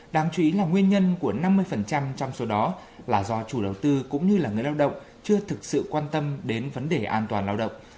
đáng chú ý là nguyên nhân của năm mươi trong số đó là do chủ đầu tư cũng như là người lao động chưa thực sự quan tâm đến vấn đề an toàn lao động